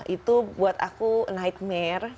itu buat aku nightmare